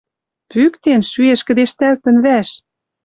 Пӱктен, шӱэш кӹдежтӓлтӹн вӓш?